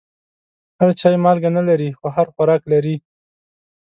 هر چای مالګه نه لري، خو هر خوراک لري.